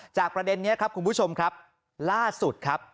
ประเด็นนี้ครับคุณผู้ชมครับล่าสุดครับ